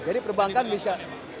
jadi perbankan bisa